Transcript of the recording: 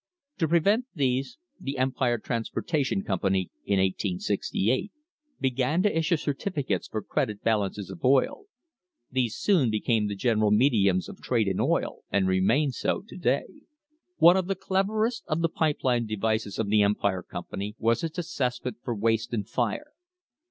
To prevent these the Empire Transportation Company in 1868 began to issue certificates for credit balances of oil ; these soon became the general mediums of trade in oil, and remain so to day. One of the cleverest of the pipe line devices of the Empire Company was its assessment for waste and fire.